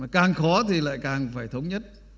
càng khó thì lại càng phải thống nhất